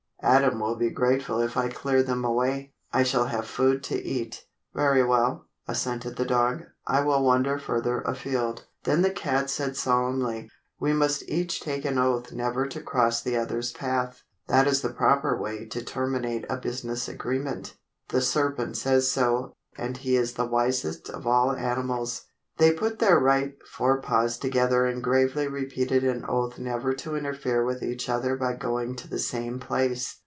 Adam will be grateful if I clear them away. I shall have food to eat." "Very well," assented the dog. "I will wander further afield." Then the cat said solemnly: "We must each take an oath never to cross the other's path. That is the proper way to terminate a business agreement. The serpent says so, and he is the wisest of all animals." They put their right fore paws together and gravely repeated an oath never to interfere with each other by going to the same place.